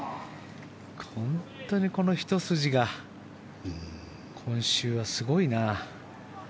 本当にこのひと筋が今週はすごいな。